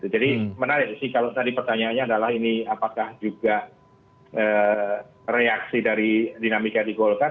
jadi menarik sih kalau tadi pertanyaannya adalah ini apakah juga reaksi dari dinamika di golkar